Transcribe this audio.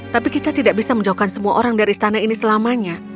tapi kita tidak bisa menjauhkan semua orang dari istana ini selamanya